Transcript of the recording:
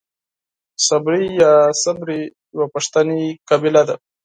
صبري يا سبري يوۀ پښتني قبيله ده.